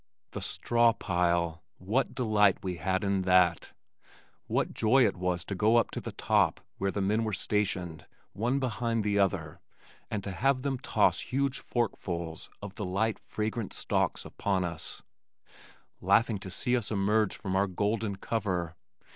The straw pile! What delight we had in that! What joy it was to go up to the top where the men were stationed, one behind the other, and to have them toss huge forkfuls of the light fragrant stalks upon us, laughing to see us emerge from our golden cover.